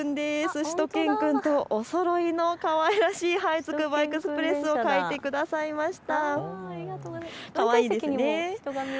しゅと犬くんとおそろいのかわいらしいつくばエクスプレスを描いてくださいました。